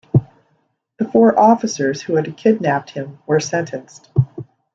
The four officers who had kidnapped him were sentenced.